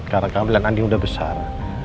karena kamu dan andien udah besar